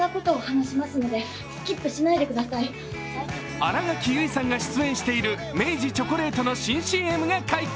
新垣結衣さんが出演している明治チョコレートの新ＣＭが解禁。